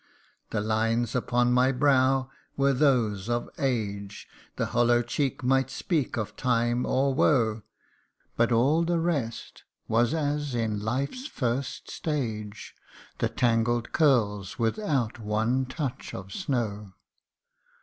The lines upon my brow were those of age ; The hollow cheek might speak of time or woe ; But all the rest was as in life's first stage The tangled curls without one touch of snow.